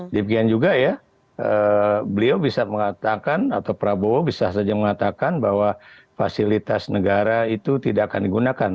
demikian juga ya beliau bisa mengatakan atau prabowo bisa saja mengatakan bahwa fasilitas negara itu tidak akan digunakan